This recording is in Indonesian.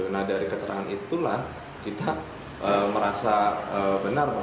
nah dari keterangan itulah kita merasa benar